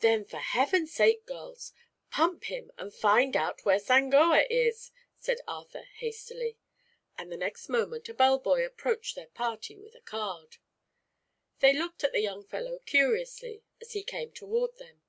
"Then, for heaven's sake, girls, pump him and find out where Sangoa is," said Arthur hastily, and the next moment a bell boy approached their party with a card. They looked at the young fellow curiously as he came toward them.